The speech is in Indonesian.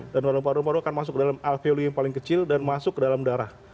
dan paru paru akan masuk ke dalam alveoli yang paling kecil dan masuk ke dalam darah